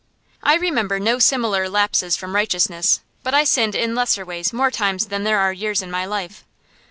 I remember no similar lapses from righteousness, but I sinned in lesser ways more times than there are years in my life.